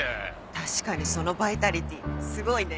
確かにそのバイタリティーすごいね。